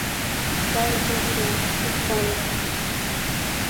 Калык вуча! — ышталыт.